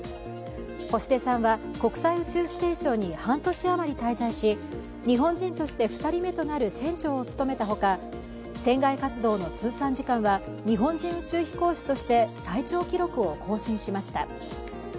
星出さんは国際宇宙ステーションに半年あまり滞在し日本人として２人目となる船長を務めたほか、船外活動の通産時間は日本人宇宙飛行士として最長記録を更新しました。